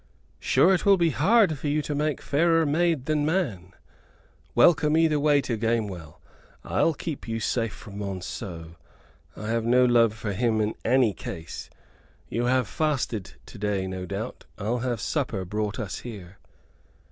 Sure it will be hard for you to make fairer maid than man. Welcome either way to Gamewell. I'll keep you safe from Monceux; I have no love for him in any case. You have fasted to day, no doubt; I'll have supper brought us here."